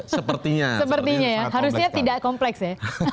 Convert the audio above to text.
sepertinya ya harusnya tidak kompleks ya